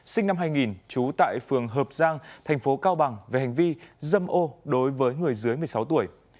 sinh năm hai nghìn chú tại phường hợp giang tp cao bằng về hành vi dâm ô đối với người dưới một mươi sáu tuổi